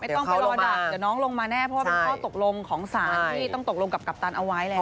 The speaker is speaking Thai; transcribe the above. ต้องไปรอดักเดี๋ยวน้องลงมาแน่เพราะว่าเป็นข้อตกลงของสารที่ต้องตกลงกับกัปตันเอาไว้แล้ว